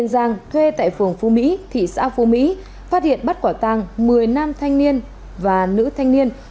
giang thuê tại phường phú mỹ thị xã phú mỹ phát hiện bắt quả tàng một mươi nam thanh niên và nữ thanh niên